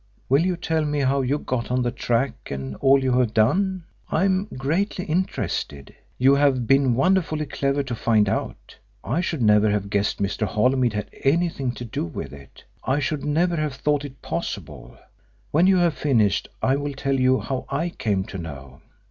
"Will you tell me how you got on the track and all you have done? I am greatly interested. You have been wonderfully clever to find out. I should never have guessed Mr. Holymead had anything to do with it I should never have thought it possible. When you have finished I will tell you how I came to know.